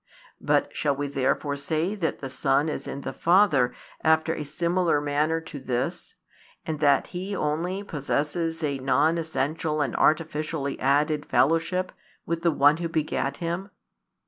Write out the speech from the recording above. But shall we therefore say that the Son is in the Father after a similar manner to this, and that He only possesses a non essential and artificially added fellowship with the One Who begat Him?